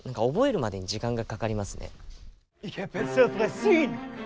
覚えるまでに時間がかかりますね。